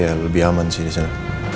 ya lebih aman sih di sana